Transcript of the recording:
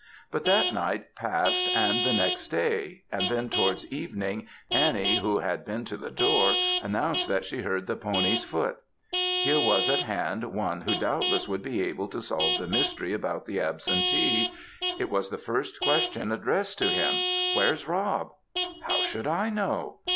But that night passed and the next day, and then, towards evening, Annie, who had been to the door, announced that she heard the pony's foot; here was at hand one who doubtless would be able to solve the mystery about the absentee. It was the first question addressed to him "Where's Rob?" "How should I know?"